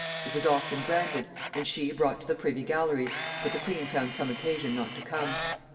It was often granted, and she brought to the privy galleries, but the queen found some occasion not to come.